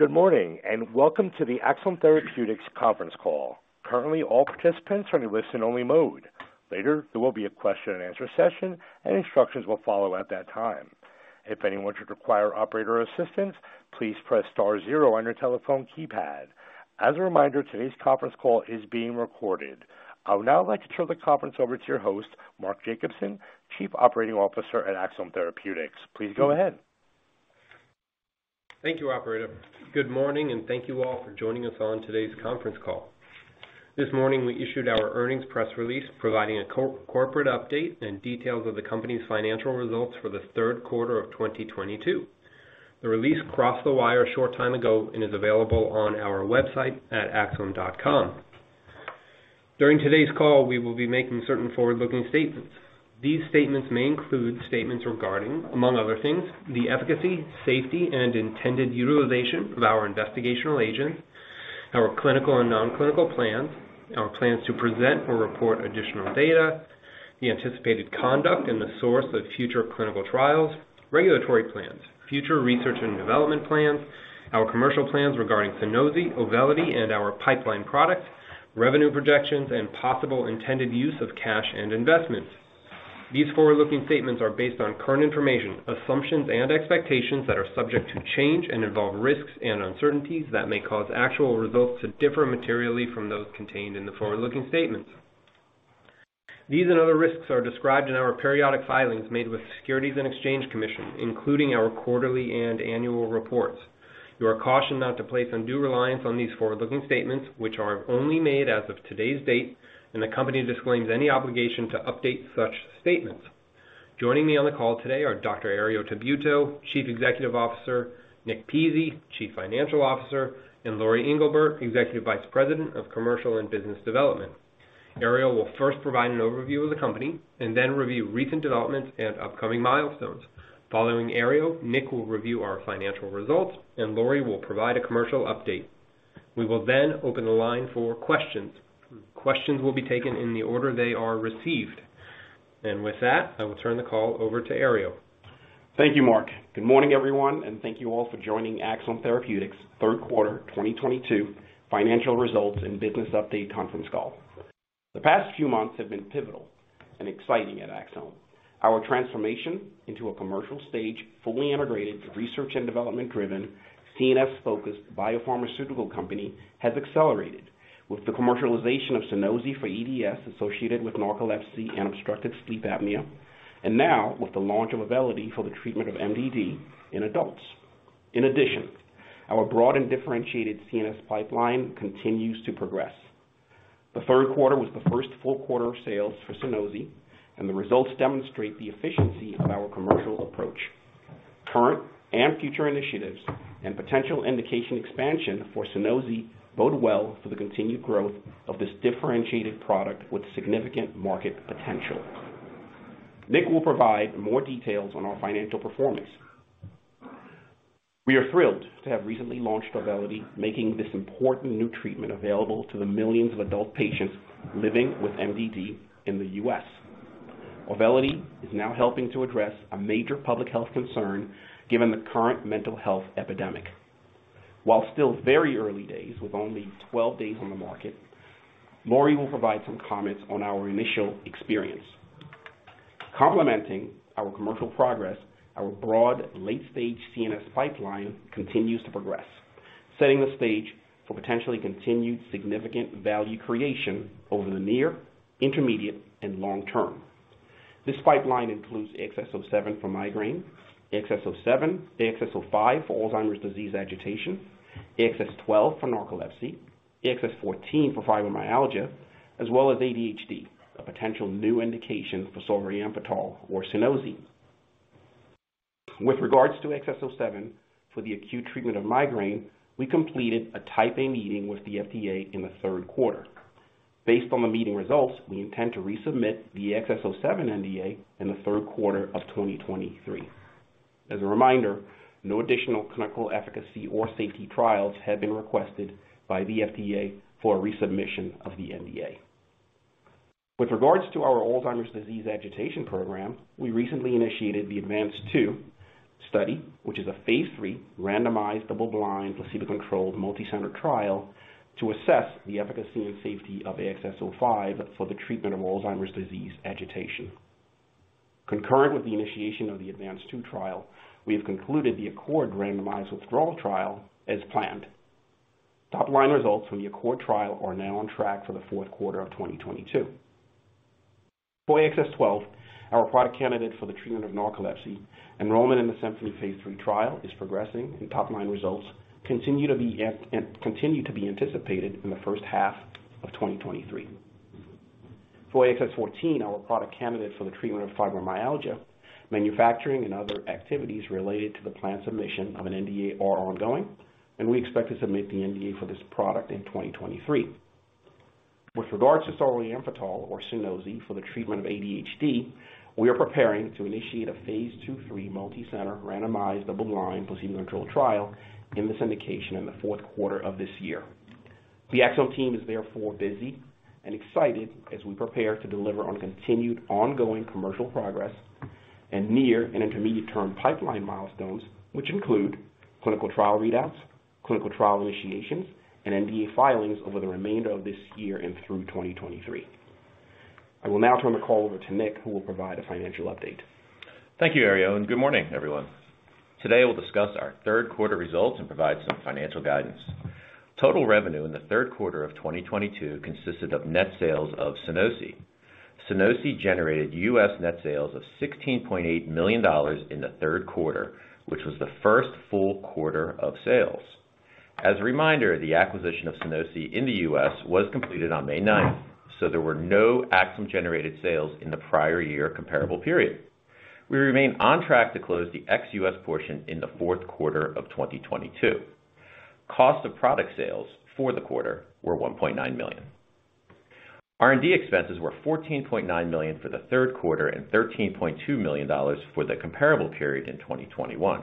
Good morning, and welcome to the Axsome Therapeutics conference call. Currently, all participants are in listen-only mode. Later, there will be a question-and-answer session, and instructions will follow at that time. If anyone should require operator assistance, please press star zero on your telephone keypad. As a reminder, today's conference call is being recorded. I would now like to turn the conference over to your host, Mark Jacobson, Chief Operating Officer at Axsome Therapeutics. Please go ahead. Thank you, operator. Good morning and thank you all for joining us on today's conference call. This morning, we issued our earnings press release providing a corporate update and details of the company's financial results for the third quarter of 2022. The release crossed the wire a short time ago and is available on our website at axsome.com. During today's call, we will be making certain forward-looking statements. These statements may include statements regarding, among other things, the efficacy, safety, and intended utilization of our investigational agents, our clinical and non-clinical plans, our plans to present or report additional data, the anticipated conduct and the source of future clinical trials, regulatory plans, future research and development plans, our commercial plans regarding Sunosi, Auvelity, and our pipeline products, revenue projections, and possible intended use of cash and investments. These forward-looking statements are based on current information, assumptions, and expectations that are subject to change and involve risks and uncertainties that may cause actual results to differ materially from those contained in the forward-looking statements. These and other risks are described in our periodic filings made with the Securities and Exchange Commission, including our quarterly and annual reports. You are cautioned not to place undue reliance on these forward-looking statements, which are only made as of today's date, and the company disclaims any obligation to update such statements. Joining me on the call today are Dr. Herriot Tabuteau, Chief Executive Officer, Nick Pizzie, Chief Financial Officer, and Lori Englebert, Executive Vice President of Commercial and Business Development. Herriot will first provide an overview of the company and then review recent developments and upcoming milestones. Following Herriot, Nick will review our financial results, and Lori will provide a commercial update. We will then open the line for questions. Questions will be taken in the order they are received. With that, I will turn the call over to Herriot. Thank you, Mark. Good morning, everyone, and thank you all for joining Axsome Therapeutics' third quarter 2022 financial results and business update conference call. The past few months have been pivotal and exciting at Axsome. Our transformation into a commercial stage, fully integrated, research and development driven, CNS-focused biopharmaceutical company has accelerated with the commercialization of Sunosi for EDS associated with narcolepsy and obstructive sleep apnea, and now with the launch of Auvelity for the treatment of MDD in adults. In addition, our broad and differentiated CNS pipeline continues to progress. The third quarter was the first full quarter of sales for Sunosi, and the results demonstrate the efficiency of our commercial approach. Current and future initiatives and potential indication expansion for Sunosi bode well for the continued growth of this differentiated product with significant market potential. Nick will provide more details on our financial performance. We are thrilled to have recently launched Auvelity, making this important new treatment available to the millions of adult patients living with MDD in the U.S. Auvelity is now helping to address a major public health concern given the current mental health epidemic. While still very early days with only 12 days on the market, Lori will provide some comments on our initial experience. Complementing our commercial progress, our broad late-stage CNS pipeline continues to progress, setting the stage for potentially continued significant value creation over the near, intermediate, and long term. This pipeline includes AXS-07 for migraine, AXS-07, AXS-05 for Alzheimer's disease agitation, AXS-12 for narcolepsy, AXS-14 for fibromyalgia, as well as ADHD, a potential new indication for solriamfetol or Sunosi. With regards to AXS-07 for the acute treatment of migraine, we completed a Type A meeting with the FDA in the third quarter. Based on the meeting results, we intend to resubmit the AXS-07 NDA in the third quarter of 2023. As a reminder, no additional clinical efficacy or safety trials have been requested by the FDA for a resubmission of the NDA. With regards to our Alzheimer's disease agitation program, we recently initiated the ADVANCE-2 study, which is a phase III randomized double-blind placebo-controlled multi-center trial to assess the efficacy and safety of AXS-05 for the treatment of Alzheimer's disease agitation. Concurrent with the initiation of the ADVANCE-2 trial, we have concluded the ACCORD randomized withdrawal trial as planned. Top-line results from the ACCORD trial are now on track for the fourth quarter of 2022. For AXS-12, our product candidate for the treatment of narcolepsy, enrollment in the Symphony phase III trial is progressing, and top-line results continue to be anticipated in the first half of 2023. For AXS-14, our product candidate for the treatment of fibromyalgia, manufacturing and other activities related to the planned submission of an NDA are ongoing, and we expect to submit the NDA for this product in 2023. With regards to solriamfetol or Sunosi for the treatment of ADHD, we are preparing to initiate a phase II/III multi-center randomized double-blind placebo-controlled trial in this indication in the fourth quarter of this year. The Axsome team is therefore busy and excited as we prepare to deliver on continued ongoing commercial progress and near and intermediate-term pipeline milestones, which include clinical trial readouts, clinical trial initiations, and NDA filings over the remainder of this year and through 2023. I will now turn the call over to Nick, who will provide a financial update. Thank you, Herriot, and good morning, everyone. Today, we'll discuss our third quarter results and provide some financial guidance. Total revenue in the third quarter of 2022 consisted of net sales of Sunosi. Sunosi generated U.S. net sales of $16.8 million in the third quarter, which was the first full quarter of sales. As a reminder, the acquisition of Sunosi in the U.S. was completed on May 9th, so there were no Axsome-generated sales in the prior year comparable period. We remain on track to close the ex-U.S. portion in the fourth quarter of 2022. Cost of product sales for the quarter were $1.9 million. R&D expenses were $14.9 million for the third quarter and $13.2 million for the comparable period in 2021.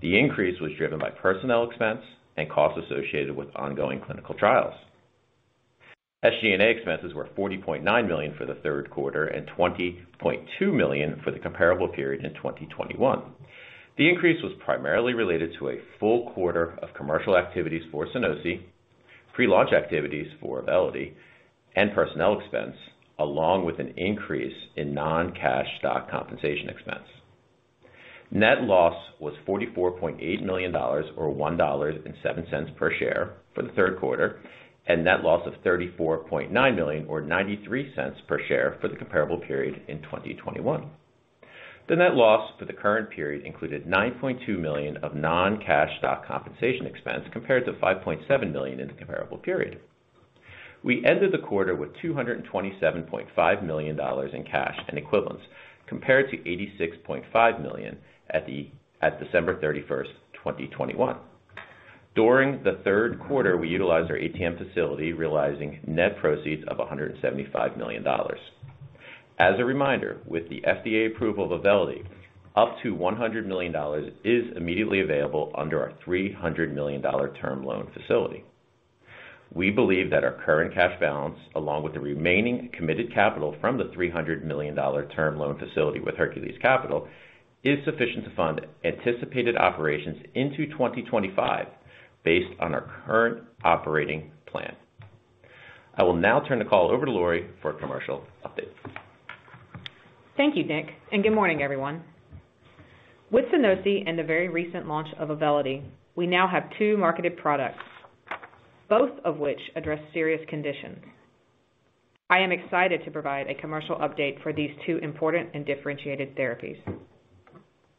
The increase was driven by personnel expense and costs associated with ongoing clinical trials. SG&A expenses were $40.9 million for the third quarter and $20.2 million for the comparable period in 2021. The increase was primarily related to a full quarter of commercial activities for Sunosi, pre-launch activities for Auvelity and personnel expense, along with an increase in non-cash stock compensation expense. Net loss was $44.8 million or $1.07 per share for the third quarter, and net loss of $34.9 million or $0.93 per share for the comparable period in 2021. The net loss for the current period included $9.2 million of non-cash stock compensation expense compared to $5.7 million in the comparable period. We ended the quarter with $227.5 million in cash and equivalents compared to $86.5 million at December 31st, 2021. During the third quarter, we utilized our ATM facility, realizing net proceeds of $175 million. As a reminder, with the FDA approval of Auvelity, up to $100 million is immediately available under our $300 million term loan facility. We believe that our current cash balance, along with the remaining committed capital from the $300 million term loan facility with Hercules Capital, is sufficient to fund anticipated operations into 2025 based on our current operating plan. I will now turn the call over to Lori for a commercial update. Thank you, Nick, and good morning, everyone. With Sunosi and the very recent launch of Auvelity, we now have two marketed products, both of which address serious conditions. I am excited to provide a commercial update for these two important and differentiated therapies.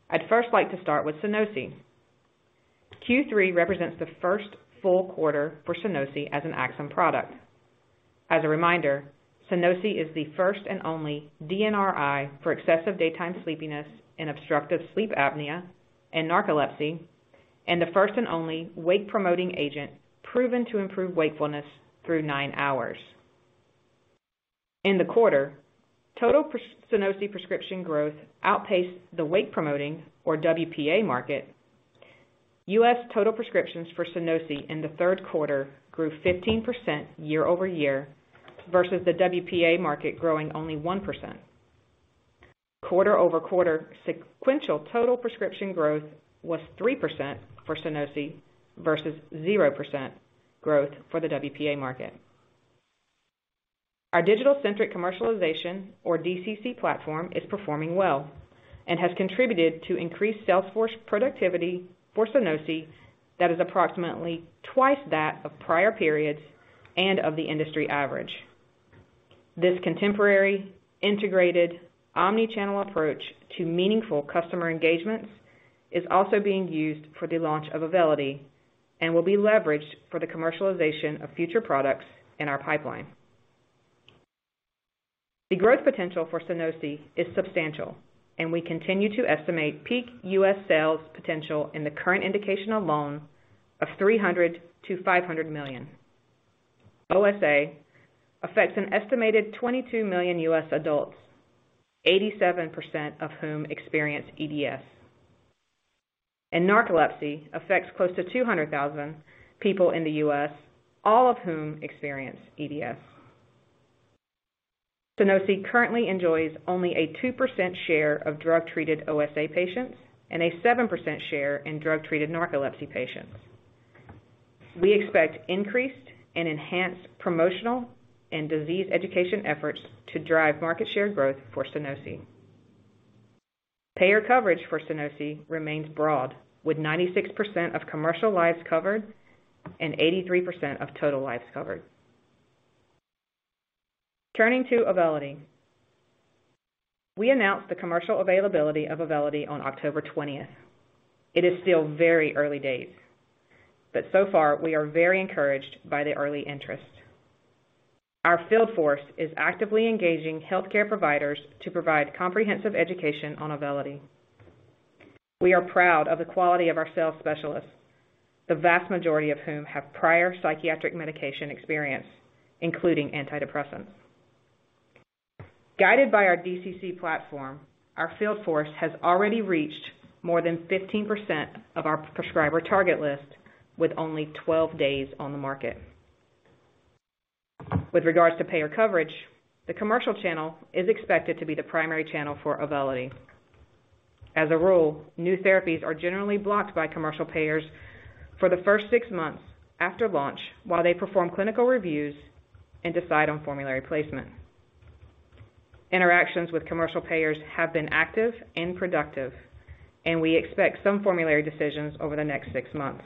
I'd first like to start with Sunosi. Q3 represents the first full quarter for Sunosi as an Axsome product. As a reminder, Sunosi is the first and only DNRI for excessive daytime sleepiness in obstructive sleep apnea and narcolepsy, and the first and only wake-promoting agent proven to improve wakefulness through nine hours. In the quarter, total Sunosi prescription growth outpaced the wake-promoting or WPA market. U.S. total prescriptions for Sunosi in the third quarter grew 15% year-over-year versus the WPA market growing only 1%. Quarter-over-quarter sequential total prescription growth was 3% for Sunosi versus 0% growth for the WPA market. Our digital-centric commercialization or DCC platform is performing well and has contributed to increased sales force productivity for Sunosi that is approximately twice that of prior periods and of the industry average. This contemporary, integrated, omni-channel approach to meaningful customer engagements is also being used for the launch of Auvelity and will be leveraged for the commercialization of future products in our pipeline. The growth potential for Sunosi is substantial, and we continue to estimate peak U.S. sales potential in the current indication alone of $300 million-$500 million. OSA affects an estimated 22 million U.S. adults, 87% of whom experience EDS. Narcolepsy affects close to 200,000 people in the U.S., all of whom experience EDS. Sunosi currently enjoys only a 2% share of drug-treated OSA patients and a 7% share in drug-treated narcolepsy patients. We expect increased and enhanced promotional and disease education efforts to drive market share growth for Sunosi. Payer coverage for Sunosi remains broad, with 96% of commercial lives covered and 83% of total lives covered. Turning to Auvelity. We announced the commercial availability of Auvelity on October 20th. It is still very early days, but so far, we are very encouraged by the early interest. Our field force is actively engaging healthcare providers to provide comprehensive education on Auvelity. We are proud of the quality of our sales specialists, the vast majority of whom have prior psychiatric medication experience, including antidepressants. Guided by our DCC platform, our field force has already reached more than 15% of our prescriber target list with only 12 days on the market. With regards to payer coverage, the commercial channel is expected to be the primary channel for Auvelity. As a rule, new therapies are generally blocked by commercial payers for the first six months after launch while they perform clinical reviews and decide on formulary placement. Interactions with commercial payers have been active and productive, and we expect some formulary decisions over the next six months.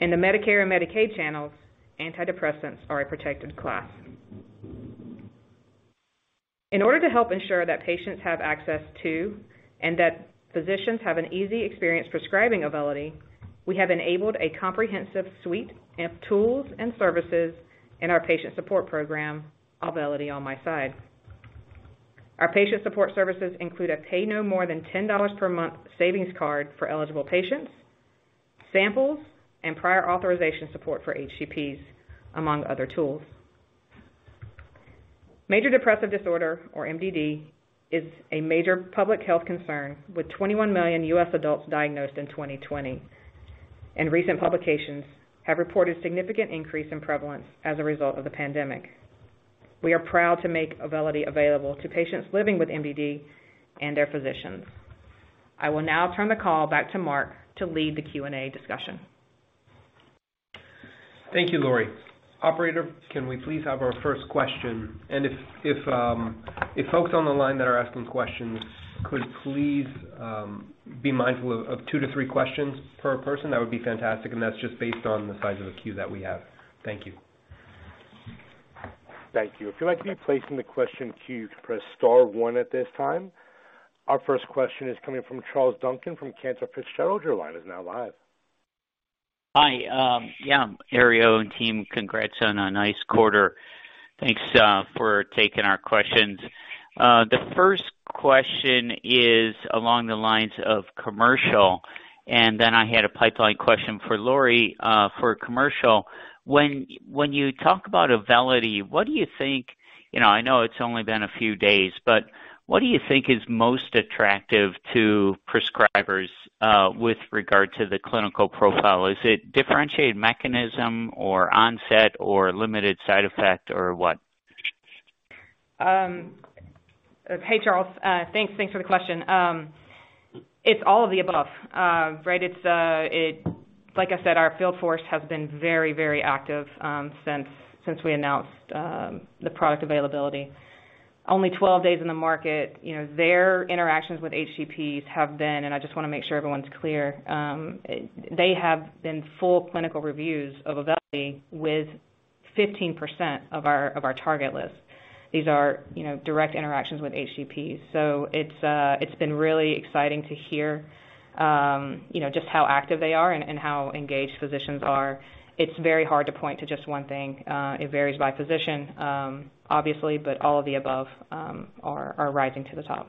In the Medicare and Medicaid channels, antidepressants are a protected class. In order to help ensure that patients have access to, and that physicians have an easy experience prescribing Auvelity, we have enabled a comprehensive suite of tools and services in our patient support program, Auvelity On My Side. Our patient support services include a pay no more than $10 per month savings card for eligible patients, samples, and prior authorization support for HCPs, among other tools. Major depressive disorder, or MDD, is a major public health concern, with 21 million U.S. adults diagnosed in 2020. Recent publications have reported significant increase in prevalence as a result of the pandemic. We are proud to make Auvelity available to patients living with MDD and their physicians. I will now turn the call back to Mark to lead the Q&A discussion. Thank you, Lori. Operator, can we please have our first question? If folks on the line that are asking questions could please be mindful of two to three questions per person, that would be fantastic, and that's just based on the size of the queue that we have. Thank you. Thank you. If you'd like to be placed in the question queue, press star one at this time. Our first question is coming from Charles Duncan from Cantor Fitzgerald. Your line is now live. Hi. Yeah, Herriot and team, congrats on a nice quarter. Thanks for taking our questions. The first question is along the lines of commercial, and then I had a pipeline question for Lori. For commercial, when you talk about Auvelity, what do you think? You know, I know it's only been a few days, but what do you think is most attractive to prescribers with regard to the clinical profile? Is it differentiated mechanism or onset or limited side effect or what? Hey, Charles. Thanks. Thanks for the question. It's all of the above. Right, it's like I said, our field force has been very active since we announced the product availability. Only 12 days in the market, you know, their interactions with HCPs have been, and I just wanna make sure everyone's clear, they have been full clinical reviews of Auvelity with 15% of our target list. These are, you know, direct interactions with HCPs. It's been really exciting to hear, you know, just how active they are and how engaged physicians are. It's very hard to point to just one thing. It varies by physician, obviously, but all of the above are rising to the top.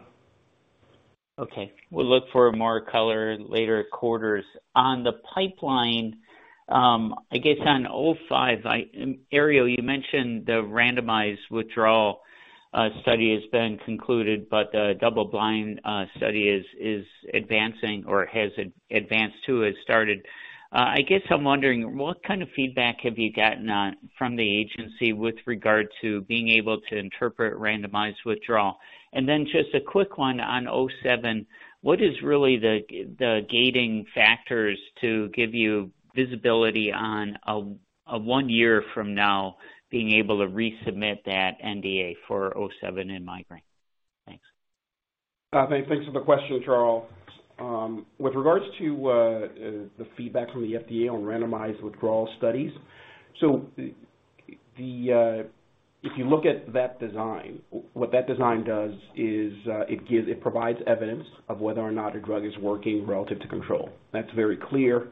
Okay. We'll look for more color later quarters. On the pipeline, I guess on AXS-05, Herriot, you mentioned the randomized withdrawal study has been concluded, but the double-blind study is advancing or has advanced too. It started. I guess I'm wondering what kind of feedback have you gotten from the agency with regard to being able to interpret randomized withdrawal? And then just a quick one on AXS-07. What is really the gating factors to give you visibility on a one year from now being able to resubmit that NDA for AXS-07 in migraine? Thanks. Thanks for the question, Charles. With regards to the feedback from the FDA on randomized withdrawal studies. If you look at that design, what that design does is it provides evidence of whether or not a drug is working relative to control. That's very clear.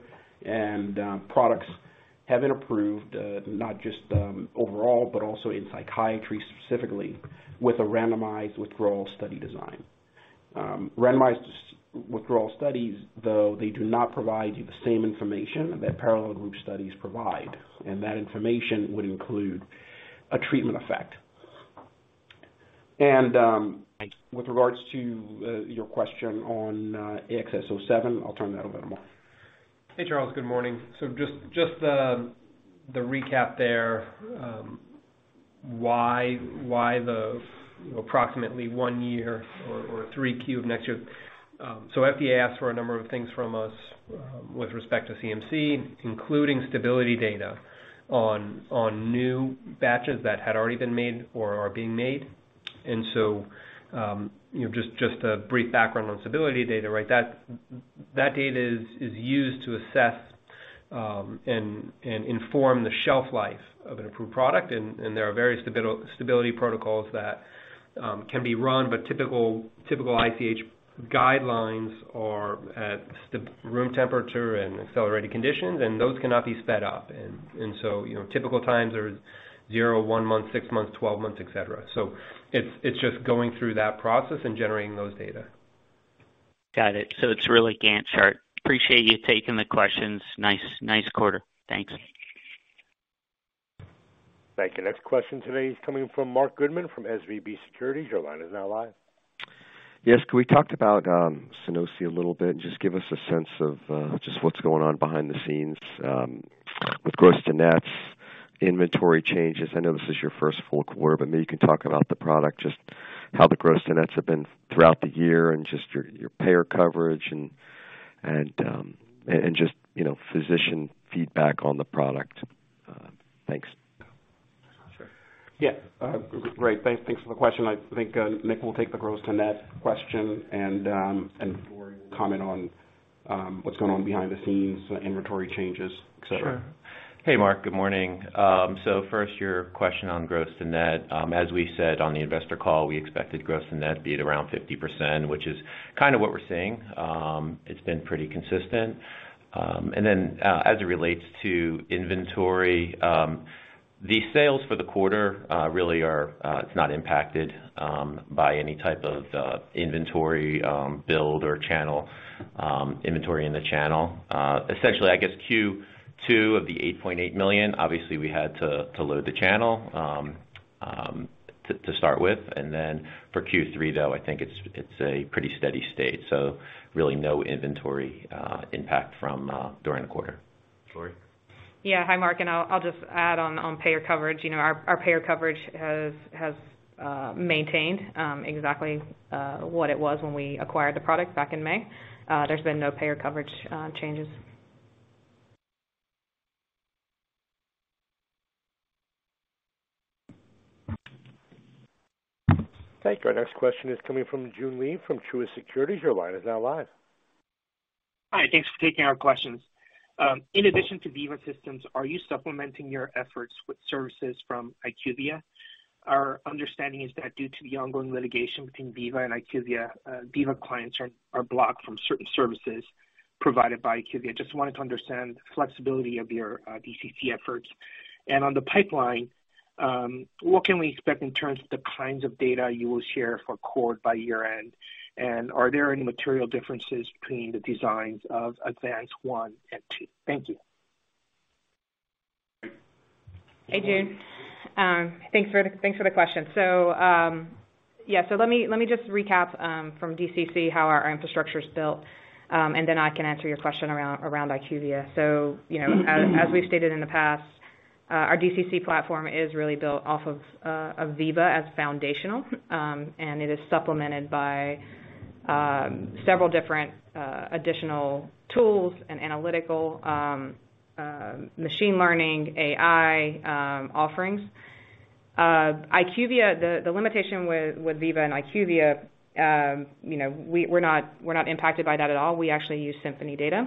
Products have been approved, not just overall, but also in psychiatry specifically with a randomized withdrawal study design. Randomized withdrawal studies, though they do not provide you the same information that parallel group studies provide, and that information would include a treatment effect. Thanks. With regards to your question on AXS-07, I'll turn that over to Mark. Hey, Charles. Good morning. The recap there, why the approximately one year or 3Q of next year? FDA asked for a number of things from us, with respect to CMC, including stability data on new batches that had already been made or are being made. A brief background on stability data, right? That data is used to assess and inform the shelf life of an approved product. There are various stability protocols that can be run. Typical ICH guidelines are at room temperature and accelerated conditions, and those cannot be sped up. Typical times are zero, one month, six months, 12 months, etc. It's just going through that process and generating those data. Got it. It's really Gantt chart. Appreciate you taking the questions. Nice quarter. Thanks. Thank you. Next question today is coming from Marc Goodman from SVB Securities. Your line is now live. Yes. Can we talk about Sunosi a little bit, and just give us a sense of just what's going on behind the scenes with gross to nets, inventory changes. I know this is your first full quarter, but maybe you can talk about the product, just how the gross to nets have been throughout the year and just your payer coverage and just you know physician feedback on the product. Thanks. Sure. Yeah. Great. Thanks for the question. I think Nick will take the gross to net question and Lori will comment on what's going on behind the scenes, inventory changes, et cetera. Sure. Hey, Marc. Good morning. So first, your question on gross to net. As we said on the investor call, we expected gross to net be at around 50%, which is kind of what we're seeing. It's been pretty consistent. And then, as it relates to inventory, the sales for the quarter really are, it's not impacted by any type of inventory build or channel inventory in the channel. Essentially, I guess Q2 of the $8.8 million, obviously we had to load the channel to start with. And then for Q3, though, I think it's a pretty steady state. Really no inventory impact from during the quarter. Lori? Yeah. Hi, Marc, and I'll just add on payer coverage. You know, our payer coverage has maintained exactly what it was when we acquired the product back in May. There's been no payer coverage changes. Thank you. Our next question is coming from Joon Lee from Truist Securities. Your line is now live. Hi. Thanks for taking our questions. In addition to Veeva Systems, are you supplementing your efforts with services from IQVIA? Our understanding is that due to the ongoing litigation between Veeva and IQVIA, Veeva clients are blocked from certain services provided by IQVIA. Just wanted to understand flexibility of your DCC efforts. On the pipeline, what can we expect in terms of the kinds of data you will share for ACCORD by year-end? Are there any material differences between the designs of ADVANCE-1 and ADVANCE-2? Thank you. Hey, Joon. Thanks for the question. Yeah. Let me just recap from DCC how our infrastructure's built, and then I can answer your question around IQVIA. You know, as we've stated in the past, our DCC platform is really built off of Veeva as foundational. It is supplemented by several different additional tools and analytical machine learning, AI offerings. IQVIA, the limitation with Veeva and IQVIA, you know, we're not impacted by that at all. We actually use Symphony data.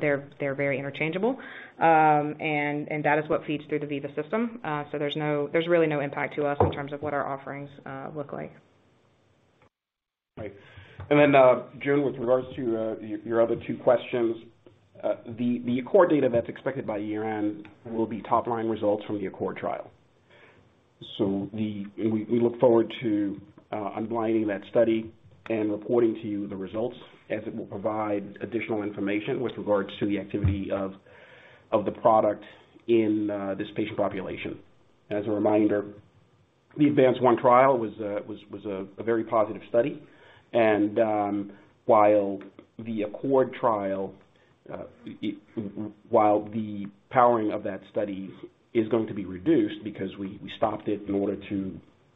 They're very interchangeable. That is what feeds through the Veeva system. There's really no impact to us in terms of what our offerings look like. Right. Joon, with regards to your other two questions, the ACCORD data that's expected by year-end will be top-line results from the ACCORD trial. We look forward to unblinding that study and reporting to you the results as it will provide additional information with regards to the activity of the product in this patient population. As a reminder, the ADVANCE-1 trial was a very positive study. While the ACCORD trial, the powering of that study is going to be reduced because we stopped it in order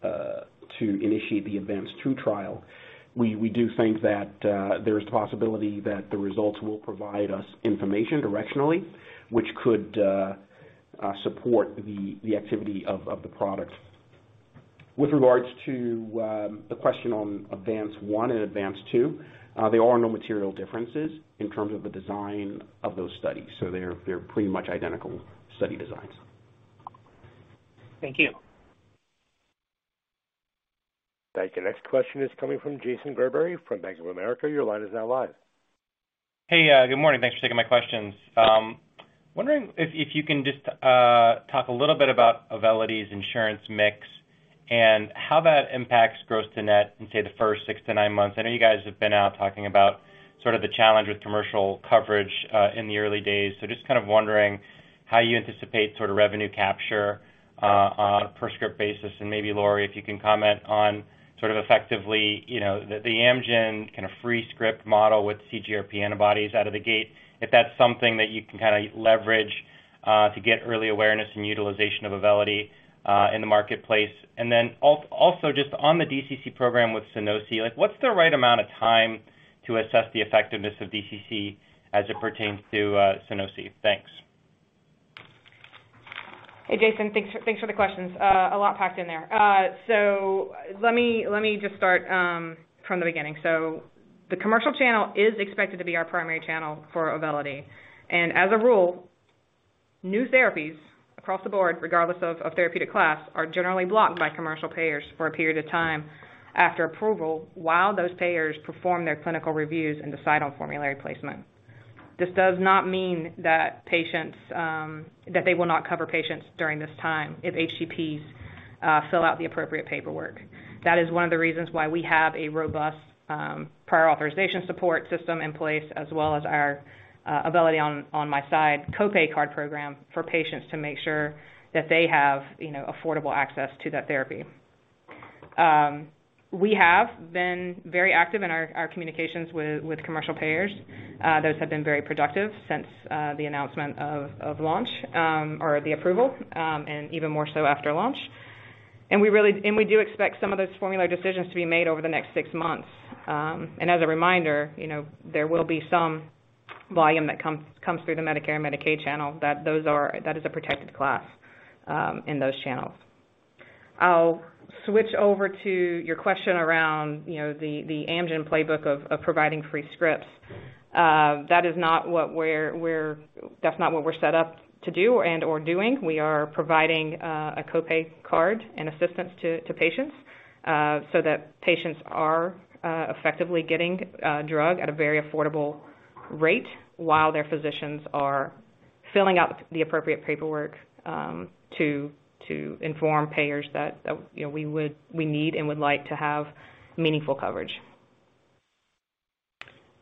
to initiate the ADVANCE-2 trial, we do think that there's a possibility that the results will provide us information directionally, which could support the activity of the product. With regards to the question on ADVANCE-1 and ADVANCE-2, there are no material differences in terms of the design of those studies. They're pretty much identical study designs. Thank you. Thank you. Next question is coming from Jason Gerberry from Bank of America. Your line is now live. Hey. Good morning. Thanks for taking my questions. Wondering if you can just talk a little bit about Auvelity's insurance mix and how that impacts gross to net in, say, the first six to nine months. I know you guys have been out talking about sort of the challenge with commercial coverage in the early days. Just kind of wondering how you anticipate sort of revenue capture on a per script basis. Maybe, Lori, if you can comment on sort of effectively, you know, the Amgen kind of free script model with CGRP antibodies out of the gate, if that's something that you can kinda leverage to get early awareness and utilization of Auvelity in the marketplace. Also just on the DCC program with Sunosi, like what's the right amount of time to assess the effectiveness of DCC as it pertains to Sunosi? Thanks. Hey, Jason. Thanks for the questions. A lot packed in there. Let me just start from the beginning. The commercial channel is expected to be our primary channel for Auvelity. As a rule, new therapies across the board, regardless of therapeutic class, are generally blocked by commercial payers for a period of time after approval while those payers perform their clinical reviews and decide on formulary placement. This does not mean that they will not cover patients during this time if HCPs fill out the appropriate paperwork. That is one of the reasons why we have a robust prior authorization support system in place as well as our Auvelity On My Side copay card program for patients to make sure that they have, you know, affordable access to that therapy. We have been very active in our communications with commercial payers. Those have been very productive since the announcement of launch or the approval, and even more so after launch. We do expect some of those formulary decisions to be made over the next six months. As a reminder, you know, there will be some volume that comes through the Medicare and Medicaid channel. That is a protected class in those channels. I'll switch over to your question around, you know, the Amgen playbook of providing free scripts. That is not what we're set up to do and/or doing. We are providing a copay card and assistance to patients so that patients are effectively getting drug at a very affordable rate while their physicians are filling out the appropriate paperwork to inform payers that, you know, we need and would like to have meaningful coverage.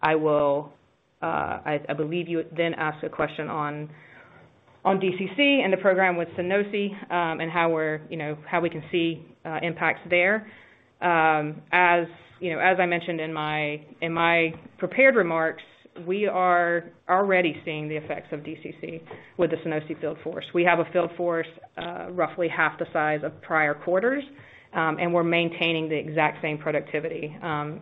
I believe you then asked a question on DCC and the program with Sunosi and how we're, you know, how we can see impacts there. As you know, as I mentioned in my prepared remarks, we are already seeing the effects of DCC with the Sunosi field force. We have a field force roughly half the size of prior quarters and we're maintaining the exact same productivity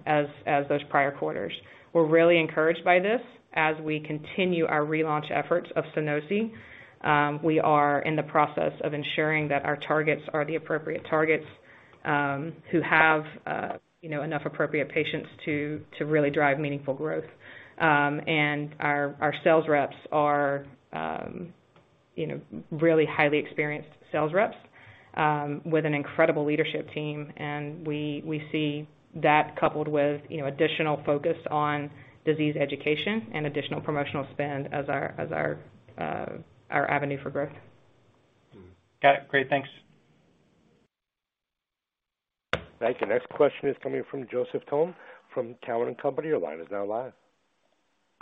as those prior quarters. We're really encouraged by this as we continue our relaunch efforts of Sunosi. We are in the process of ensuring that our targets are the appropriate targets who have, you know, enough appropriate patients to really drive meaningful growth. Our sales reps are, you know, really highly experienced sales reps with an incredible leadership team, and we see that coupled with, you know, additional focus on disease education and additional promotional spend as our avenue for growth. Got it. Great. Thanks. Thank you. Next question is coming from Joseph Thome from Cowen and Company. Your line is now live.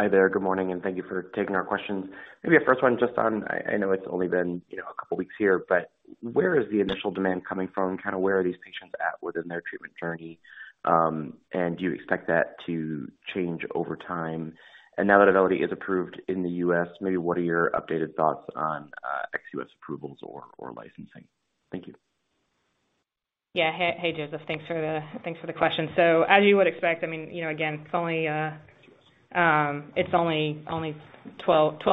Hi there. Good morning, and thank you for taking our questions. Maybe a first one just on, I know it's only been, you know, a couple of weeks here, but where is the initial demand coming from? Kind of where are these patients at within their treatment journey? And do you expect that to change over time? Now that Auvelity is approved in the U.S., maybe what are your updated thoughts on ex-U.S. approvals or licensing? Thank you. Yeah. Hey, Joseph. Thanks for the question. As you would expect, I mean, you know, again, it's only 12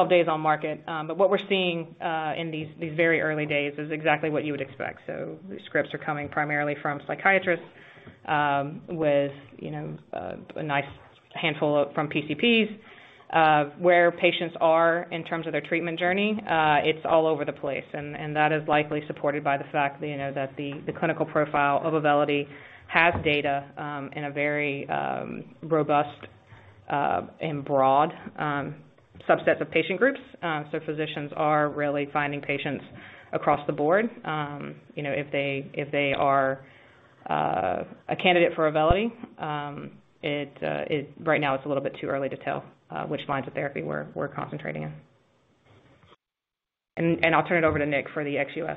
days on market. What we're seeing in these very early days is exactly what you would expect. The scripts are coming primarily from psychiatrists, with, you know, a nice handful from PCPs. Where patients are in terms of their treatment journey, it's all over the place. That is likely supported by the fact, you know, that the clinical profile of Auvelity has data in a very robust and broad subset of patient groups. Physicians are really finding patients across the board. You know, if they are a candidate for Auvelity, right now it's a little bit too early to tell which lines of therapy we're concentrating on. I'll turn it over to Nick for the ex-U.S.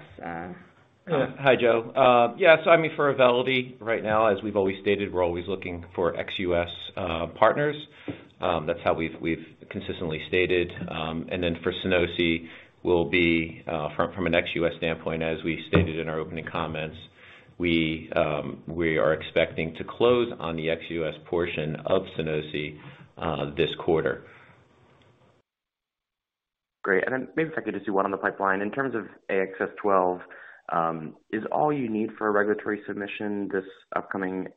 comments. Hi, Joe. I mean, for Auvelity right now, as we've always stated, we're always looking for ex-U.S. partners. That's how we've consistently stated. For Sunosi, from an ex-U.S. standpoint, as we stated in our opening comments, we are expecting to close on the ex-U.S. portion of Sunosi this quarter. Great. Maybe if I could just do one on the pipeline. In terms of AXS-12, is all you need for a regulatory submission this upcoming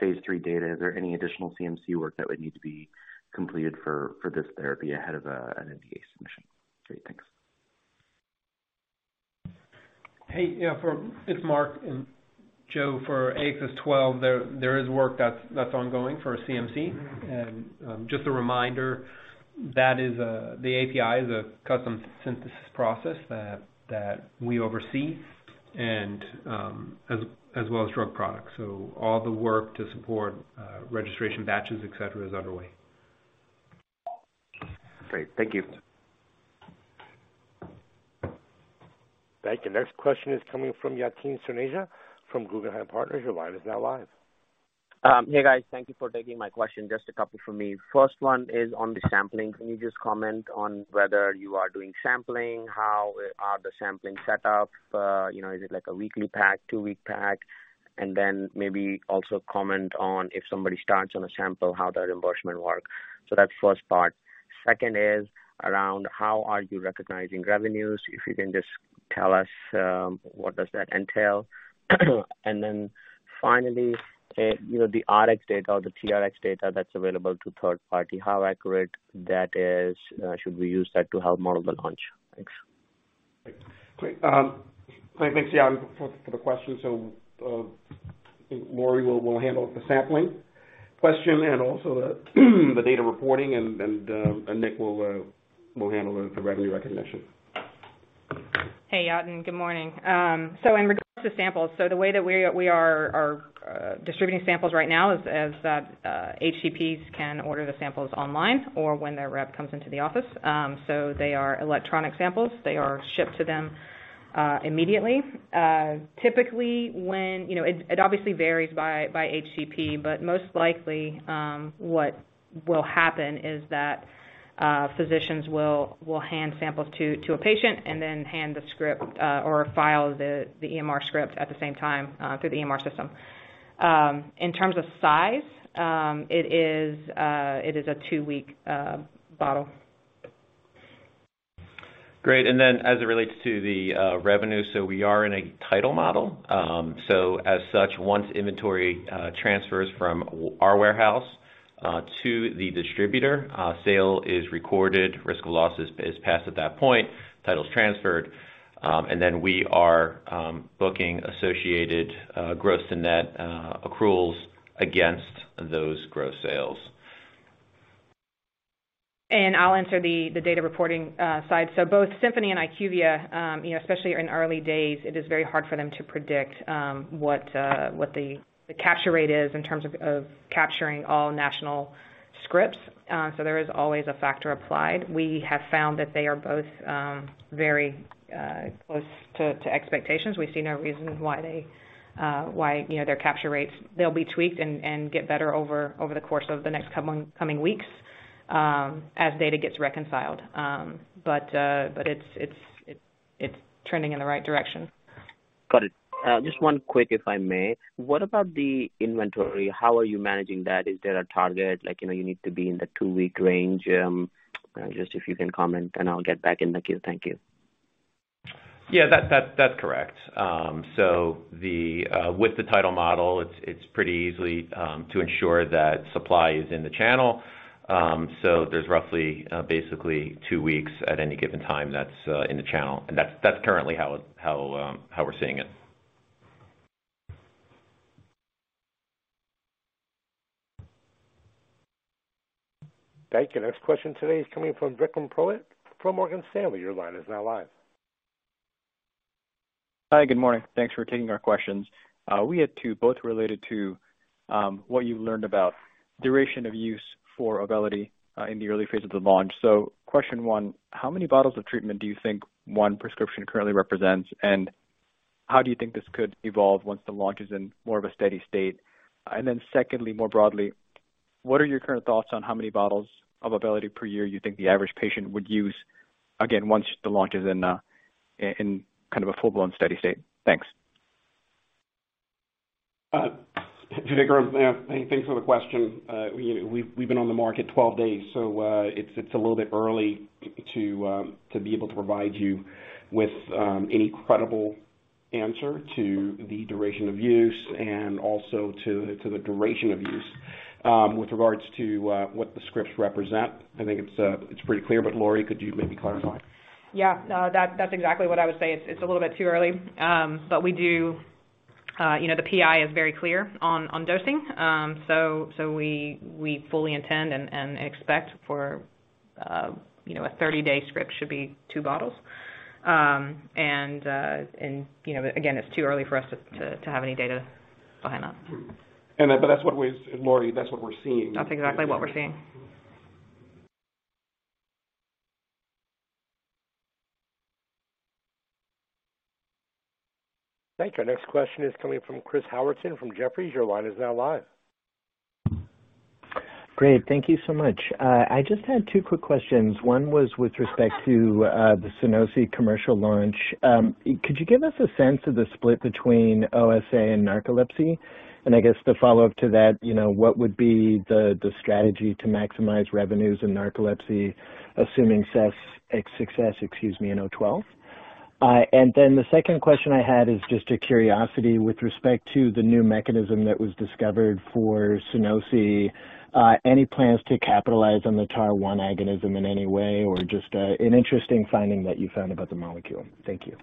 phase III data? Is there any additional CMC work that would need to be completed for this therapy ahead of an NDA submission? Great. Thanks. Hey, yeah, it's Mark. Joe, for AXS-12, there is work that's ongoing for CMC. Just a reminder, that is, the API is a custom synthesis process that we oversee and, as well as drug products. So all the work to support registration batches, et cetera, is underway. Great. Thank you. Thank you. Next question is coming from Yatin Suneja from Guggenheim Partners. Your line is now live. Hey, guys. Thank you for taking my question. Just a couple from me. First one is on the sampling. Can you just comment on whether you are doing sampling? How are the sampling set up? You know, is it like a weekly pack, two-week pack? And then maybe also comment on if somebody starts on a sample, how the reimbursement work. So that's first part. Second is around how are you recognizing revenues? If you can just tell us, what does that entail? And then finally, you know, the RX data or the TRX data that's available to third party, how accurate that is? Should we use that to help model the launch? Thanks. Great. Great. Thanks, Yatin, for the question. I think Lori will handle the sampling question and also the data reporting and Nick will handle the revenue recognition. Hey, Yatin, good morning. In regards to samples, the way that we are distributing samples right now is that HCPs can order the samples online or when their rep comes into the office. They are electronic samples. They are shipped to them immediately. Typically, you know, it obviously varies by HCP, but most likely, what will happen is that physicians will hand samples to a patient and then hand the script or file the EMR script at the same time through the EMR system. In terms of size, it is a two-week bottle. Great. As it relates to the revenue, we are in a title model. As such, once inventory transfers from our warehouse to the distributor, sale is recorded, risk of loss is passed at that point, title's transferred, we are booking associated gross to net accruals against those gross sales. I'll answer the data reporting side. Both Symphony and IQVIA, you know, especially in early days, it is very hard for them to predict what the capture rate is in terms of capturing all national scripts. There is always a factor applied. We have found that they are both very close to expectations. We see no reason why, you know, their capture rates will be tweaked and get better over the course of the next coming weeks as data gets reconciled. It's trending in the right direction. Got it. Just one quick, if I may. What about the inventory? How are you managing that? Is there a target? Like, you know, you need to be in the two-week range. Just if you can comment, and I'll get back in the queue. Thank you. That's correct. With the title model, it's pretty easily to ensure that supply is in the channel. There's roughly basically two weeks at any given time that's in the channel. That's currently how we're seeing it. Thank you. Next question today is coming from Vikram Purohit from Morgan Stanley. Your line is now live. Hi, good morning. Thanks for taking our questions. We had two both related to what you've learned about duration of use for Auvelity in the early phase of the launch. Question one, how many bottles of treatment do you think one prescription currently represents? And how do you think this could evolve once the launch is in more of a steady state? And then secondly, more broadly, what are your current thoughts on how many bottles of Auvelity per year you think the average patient would use, again, once the launch is in kind of a full-blown steady state? Thanks. Vikram, thanks for the question. You know, we've been on the market 12 days, so it's a little bit early to be able to provide you with any credible answer to the duration of use and also to the duration of use. With regards to what the scripts represent, I think it's pretty clear, but Lori, could you maybe clarify? Yeah. No, that's exactly what I would say. It's a little bit too early. We do, you know, the PI is very clear on dosing. We fully intend and expect for, you know, a 30-day script should be two bottles. You know, again, it's too early for us to have any data behind that. Lori, that's what we're seeing. That's exactly what we're seeing. Thank you. Our next question is coming from Chris Howerton from Jefferies. Your line is now live. Great. Thank you so much. I just had two quick questions. One was with respect to the Sunosi commercial launch. Could you give us a sense of the split between OSA and narcolepsy? And I guess the follow-up to that, you know, what would be the strategy to maximize revenues in narcolepsy, assuming success, excuse me, in AXS-12? And then the second question I had is just a curiosity with respect to the new mechanism that was discovered for Sunosi. Any plans to capitalize on the TAAR1 agonism in any way or just an interesting finding that you found about the molecule? Thank you.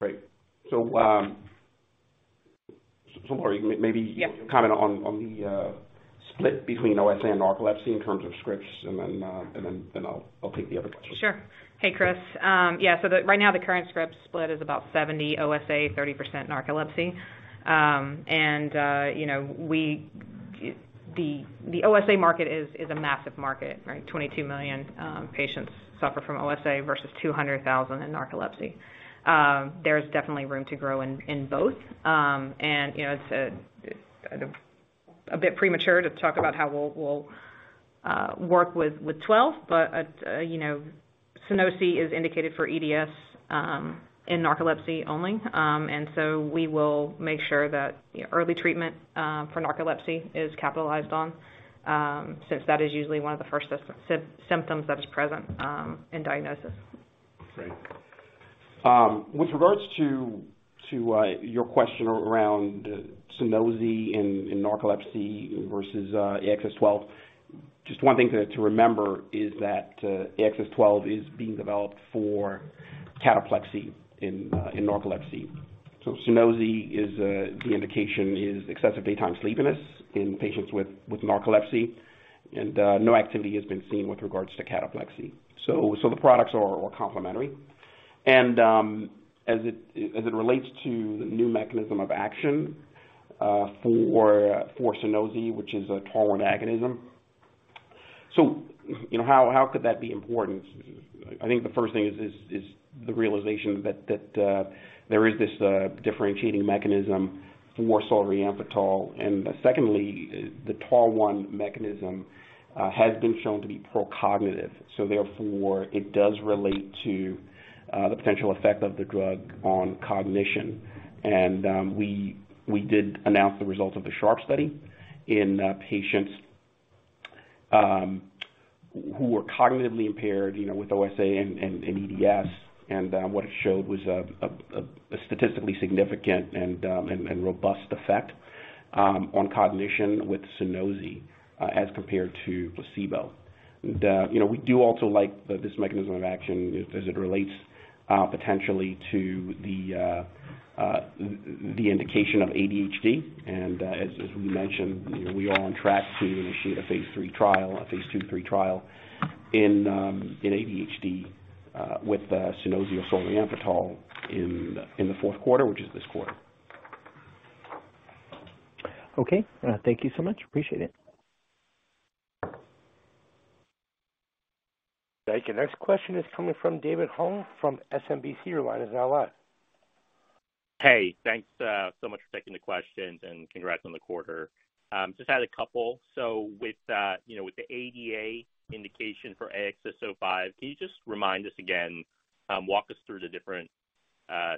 Great. Lori- Yeah. Maybe comment on the split between OSA and narcolepsy in terms of scripts, and then I'll take the other question. Sure. Hey, Chris. Right now the current script split is about 70% OSA, 30% narcolepsy. You know, the OSA market is a massive market, right? 22 million patients suffer from OSA versus 200,000 in narcolepsy. There's definitely room to grow in both. You know, it's a bit premature to talk about how we'll work with AXS-12. But you know, Sunosi is indicated for EDS and narcolepsy only. We will make sure that you know, early treatment for narcolepsy is capitalized on, since that is usually one of the first symptoms that's present in diagnosis. Great. With regards to your question around Sunosi and narcolepsy versus AXS-12, just one thing to remember is that AXS-12 is being developed for cataplexy in narcolepsy. Sunosi is the indication is excessive daytime sleepiness in patients with narcolepsy, and no activity has been seen with regards to cataplexy. The products are all complementary. As it relates to the new mechanism of action for Sunosi, which is a TAAR1 agonism. You know, how could that be important? I think the first thing is the realization that there is this differentiating mechanism for solriamfetol. Secondly, the TAAR1 mechanism has been shown to be pro-cognitive, so therefore, it does relate to the potential effect of the drug on cognition. We did announce the results of the SHARP study in patients who were cognitively impaired, you know, with OSA and EDS. What it showed was a statistically significant and robust effect on cognition with Sunosi as compared to placebo. You know, we do also like this mechanism of action as it relates potentially to the indication of ADHD. As we mentioned, you know, we are on track to initiate a phase III trial, a phase II/III trial in ADHD with Sunosi or solriamfetol in the fourth quarter, which is this quarter. Okay. Thank you so much. Appreciate it. Thank you. Next question is coming from David Hoang from SMBC. Your line is now live. Hey, thanks so much for taking the questions and congrats on the quarter. Just had a couple. With you know, with the ADA indication for AXS-05, can you just remind us again, walk us through the different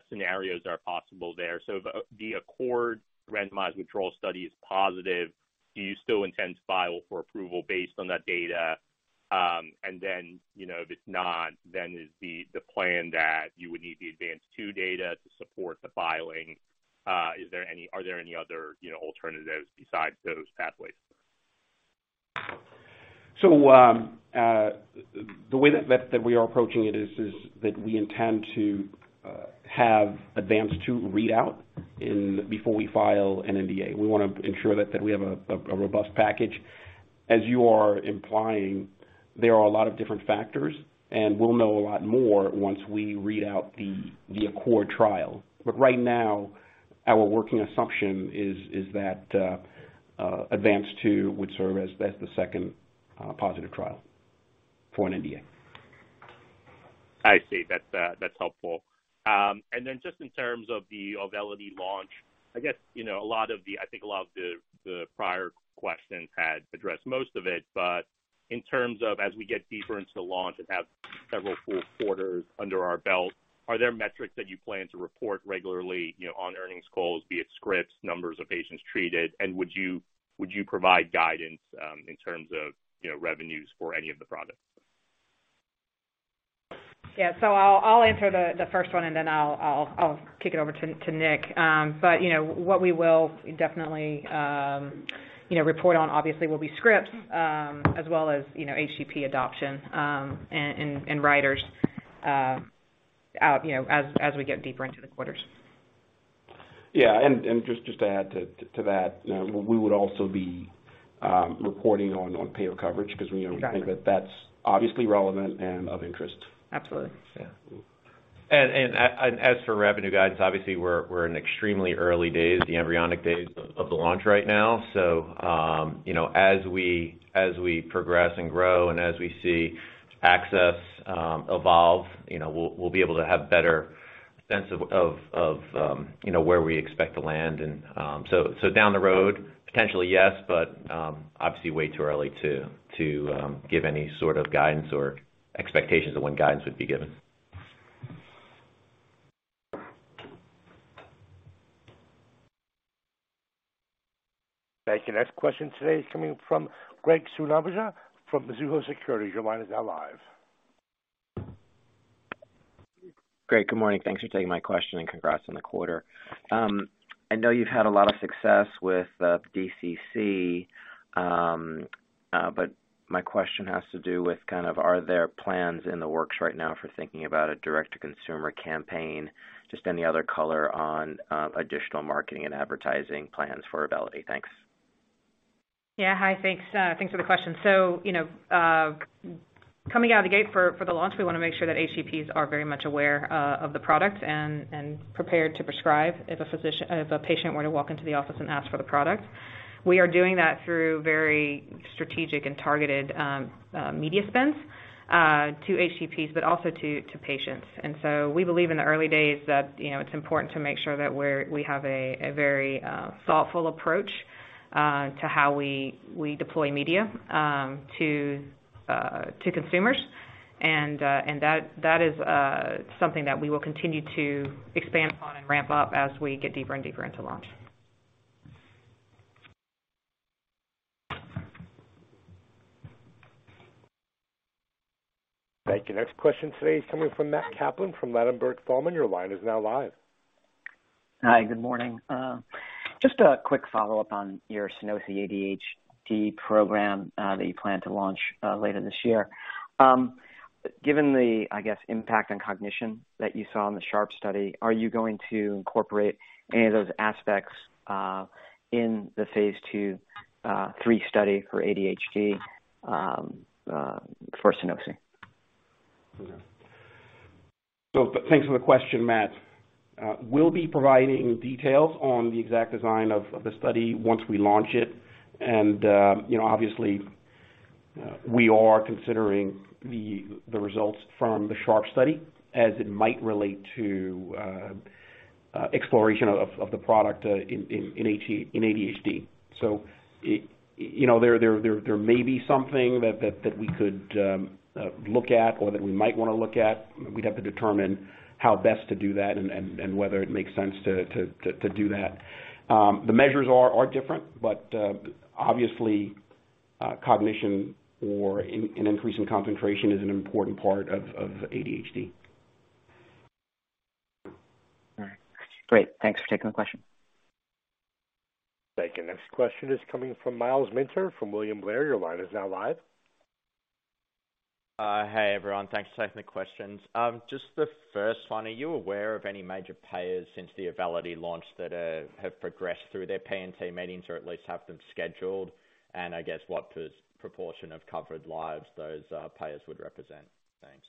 scenarios are possible there. If the ACCORD randomized withdrawal study is positive, do you still intend to file for approval based on that data? And then, you know, if it's not, then is the plan that you would need the ADVANCE-2 data to support the filing? Are there any other, you know, alternatives besides those pathways? The way that we are approaching it is that we intend to have ADVANCE-2 readout before we file an NDA. We wanna ensure that we have a robust package. As you are implying, there are a lot of different factors, and we'll know a lot more once we read out the ACCORD trial. Right now, our working assumption is that ADVANCE-2 would serve as the second positive trial for an NDA. I see. That's helpful. And then just in terms of the Auvelity launch, I guess, you know, I think a lot of the prior questions had addressed most of it. In terms of as we get deeper into the launch and have several full quarters under our belt, are there metrics that you plan to report regularly, you know, on earnings calls, be it scripts, numbers of patients treated? Would you provide guidance in terms of, you know, revenues for any of the products? Yeah. I'll answer the first one, and then I'll kick it over to Nick. You know, what we will definitely, you know, report on obviously will be scripts, as well as, you know, HCP adoption, and writers, out, you know, as we get deeper into the quarters. Yeah. Just to add to that, we would also be reporting on payer coverage because you know. Got it. We think that that's obviously relevant and of interest. Absolutely. Yeah. As for revenue guidance, obviously we're in extremely early days, the embryonic days of the launch right now. You know, as we progress and grow and as we see access evolve, you know, we'll be able to have better sense of where we expect to land. Down the road, potentially, yes, but obviously way too early to give any sort of guidance or expectations of when guidance would be given. Thank you. Next question today is coming from Graig Suvannavejh from Mizuho Securities. Your line is now live. Great, good morning. Thanks for taking my question, and congrats on the quarter. I know you've had a lot of success with DCC, but my question has to do with kind of, are there plans in the works right now for thinking about a direct to consumer campaign? Just any other color on additional marketing and advertising plans for Auvelity? Thanks. Yeah. Hi. Thanks for the question. You know, coming out of the gate for the launch, we wanna make sure that HCPs are very much aware of the product and prepared to prescribe if a patient were to walk into the office and ask for the product. We are doing that through very strategic and targeted media spends to HCPs, but also to patients. We believe in the early days that it's important to make sure that we have a very thoughtful approach to how we deploy media to consumers. That is something that we will continue to expand on and ramp up as we get deeper and deeper into launch. Thank you. Next question today is coming from Matt Kaplan from Ladenburg Thalmann. Your line is now live. Hi, good morning. Just a quick follow-up on your Sunosi ADHD program that you plan to launch later this year. Given the, I guess, impact on cognition that you saw in the SHARP study, are you going to incorporate any of those aspects in the phase II/III study for ADHD for Sunosi? Okay. Thanks for the question, Matt. We'll be providing details on the exact design of the study once we launch it. You know, obviously, we are considering the results from the SHARP study as it might relate to exploration of the product in AD, in ADHD. You know, there may be something that we could look at or that we might wanna look at. We'd have to determine how best to do that and whether it makes sense to do that. The measures are different, but obviously, cognition or an increase in concentration is an important part of ADHD. All right. Great. Thanks for taking my question. Thank you. Next question is coming from Myles Minter from William Blair. Your line is now live. Hey, everyone. Thanks for taking the questions. Just the first one, are you aware of any major payers since the Auvelity launch that have progressed through their P&T meetings or at least have them scheduled? I guess what proportion of covered lives those payers would represent? Thanks.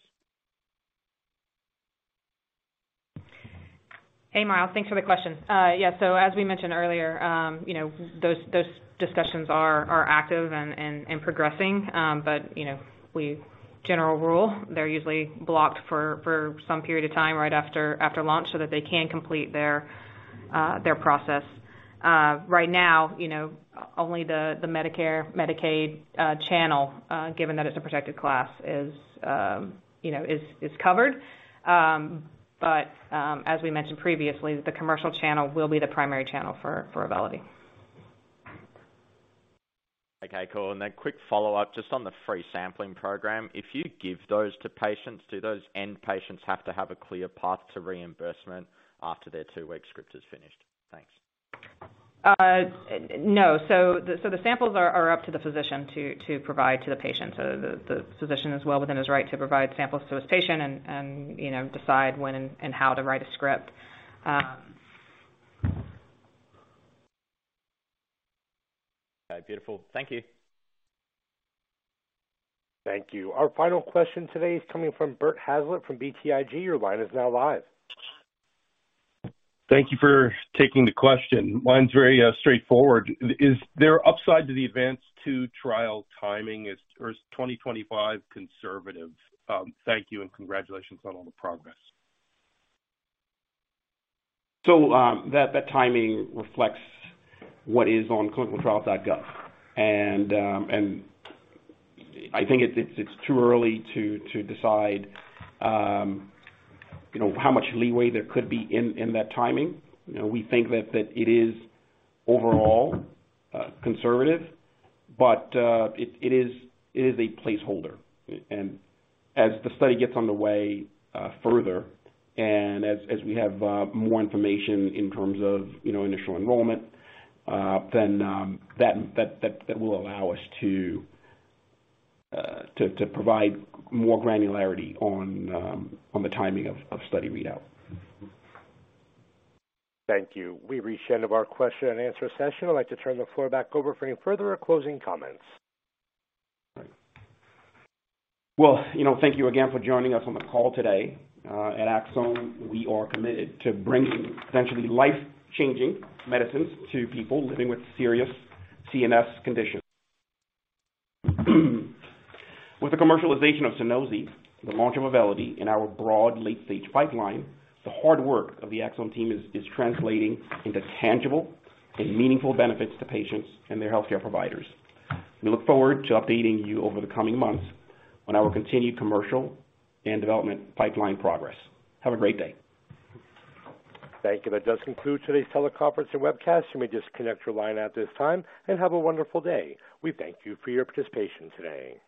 Hey, Myles. Thanks for the question. Yeah. As we mentioned earlier, you know, those discussions are active and progressing. In general, they're usually blocked for some period of time right after launch so that they can complete their process. Right now, you know, only the Medicare, Medicaid channel, given that it's a protected class, is covered. As we mentioned previously, the commercial channel will be the primary channel for Auvelity. Okay. Cool. Quick follow-up just on the free sampling program. If you give those to patients, do those end patients have to have a clear path to reimbursement after their two-week script is finished? Thanks. No. The samples are up to the physician to provide to the patient. The physician is well within his right to provide samples to his patient and, you know, decide when and how to write a script. Okay. Beautiful. Thank you. Thank you. Our final question today is coming from Bert Hazlett from BTIG. Your line is now live. Thank you for taking the question. Mine's very straightforward. Is there upside to the ADVANCE-2 trial timing, or is 2025 conservative? Thank you and congratulations on all the progress. That timing reflects what is on ClinicalTrials.gov. I think it's too early to decide, you know, how much leeway there could be in that timing. You know, we think that it is overall conservative, but it is a placeholder. As the study gets underway further and as we have more information in terms of, you know, initial enrollment, then that will allow us to provide more granularity on the timing of study readout. Thank you. We've reached the end of our question and answer session. I'd like to turn the floor back over for any further closing comments. Well, you know, thank you again for joining us on the call today. At Axsome, we are committed to bringing potentially life-changing medicines to people living with serious CNS conditions. With the commercialization of Sunosi, the launch of Auvelity and our broad late-stage pipeline, the hard work of the Axsome team is translating into tangible and meaningful benefits to patients and their healthcare providers. We look forward to updating you over the coming months on our continued commercial and development pipeline progress. Have a great day. Thank you. That does conclude today's teleconference and webcast. You may disconnect your line at this time and have a wonderful day. We thank you for your participation today.